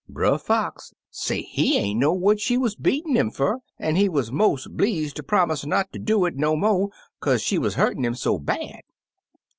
Brer Fox say he ain't know what she wuz beatin' 'im fer, an' he was mos' bleeze ter promise not ter do it no mo', kaze she wuz hurtin' 'im so bad.